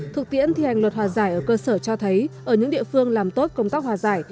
thực tiễn thi hành luật hòa giải ở cơ sở cho thấy ở những địa phương làm tốt công tác hòa giải